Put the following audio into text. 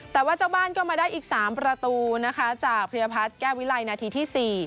แต่ว่าเจ้าบ้านก็มาได้อีก๓ประตูนะคะจากเพลียพัฒน์แก้วิลัยนาทีที่๔